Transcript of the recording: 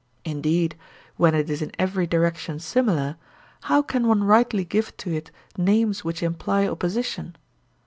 Indeed, when it is in every direction similar, how can one rightly give to it names which imply opposition?